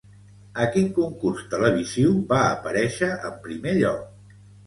A quin concurs televisiu va aparèixer en primer lloc?